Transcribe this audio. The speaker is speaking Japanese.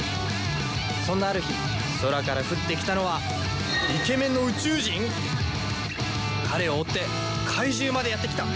そんなある日空から降ってきたのは彼を追って怪獣までやってきた。